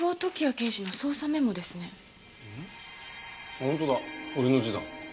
本当だ俺の字だ。